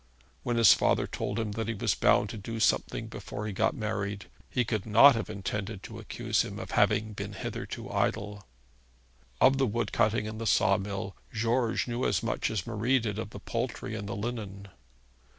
When his father told him that he was bound to do something before he got married, he could not have intended to accuse him of having been hitherto idle. Of the wood cutting and the saw mill George knew as much as Marie did of the poultry and the linen.